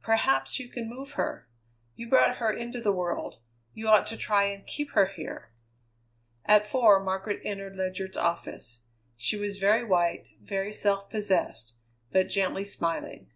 Perhaps you can move her. You brought her into the world; you ought to try and keep her here." At four Margaret entered Ledyard's office. She was very white, very self possessed, but gently smiling.